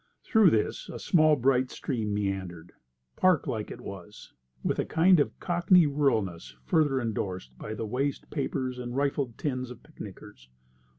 Through this a small bright stream meandered. Park like it was, with a kind of cockney ruralness further endorsed by the waste papers and rifled tins of picnickers.